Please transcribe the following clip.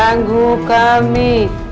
jangan lupa ya